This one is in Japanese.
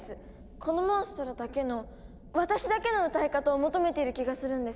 このモンストロだけの私だけの歌い方を求めている気がするんです。